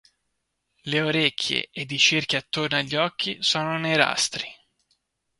Le orecchie ed i cerchi attorno agli occhi sono nerastri.